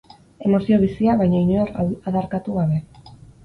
Emozio bizia, baina inor adarkatu gabe.